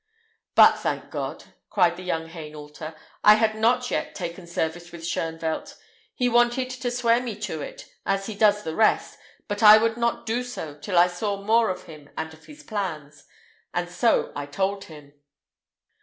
"But, thank God," cried the young Hainaulter, "I had not yet taken service with Shoenvelt. He wanted to swear me to it, as he does the rest; but I would not do so till I saw more of him and of his plans; and so I told him."